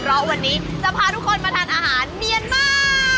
เพราะวันนี้จะพาทุกคนมาทานอาหารเมียนมา